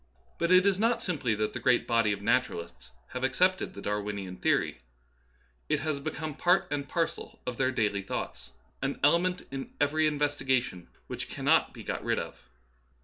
But Darwinism Verified, 8 it is not simply that the great body of naturalists have accepted the Darwinian theory : it has be come part and parcel of their daily thoughts, an element in every investigation which cannot be got rid of.